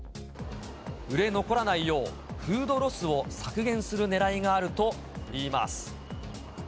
売れ残らないよう、フードロスを削減するねらいがあるといいます。